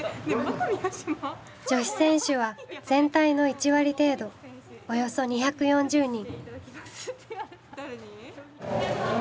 女子選手は全体の１割程度およそ２４０人。